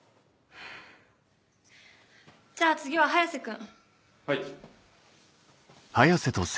じゃあ次は早瀬君。